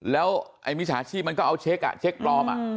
แล้วไอ้มิถสาชีพมันก็เอาเช็คอ่ะเช็คพร้อมอ่ะ